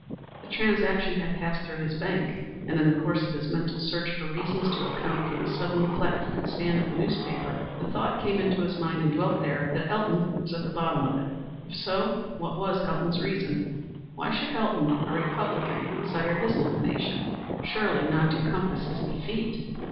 The transaction had passed through his bank, and in the course of his mental search for reasons to account for the sudden flat footed stand of the newspaper, the thought came into his mind and dwelt there that Elton was at the bottom of it. If so, what was Elton's reason? Why should Elton, a Republican, desire his nomination? Surely not to compass his defeat.